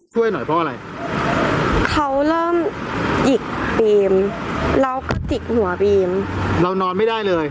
ช่วยหน่อยเพราะอะไรเขาเริ่มหยิกบีมแล้วก็จิกหัวบีมเรานอนไม่ได้เลย